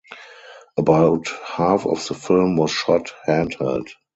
About half of the film was shot handheld.